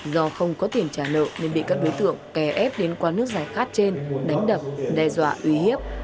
do không có tiền trả nợ nên bị các đối tượng kè ép đến qua nước giải khát trên đánh đập đe dọa uy hiếp